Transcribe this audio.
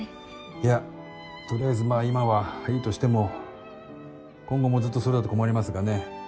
いや取りあえずまあ今はいいとしても今後もずっとそれだと困りますがね。